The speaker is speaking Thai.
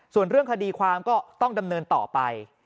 ส่วนเรื่องคดีความก็ต้องดำเนินต่อไป